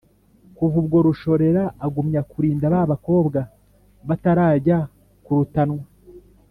kuva ubwo rushorera agumya kurinda ba bakobwa batarajya kurutanwa